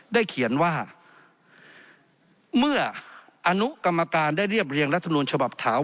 เขียนว่าเมื่ออนุกรรมการได้เรียบเรียงรัฐมนูลฉบับขาว